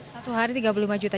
satu hari tiga puluh lima juta